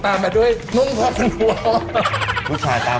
ตามาด้วยนุ่มพระผันหัว